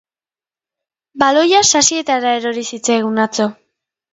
Baloia sasietara erori zitzaigun atzo.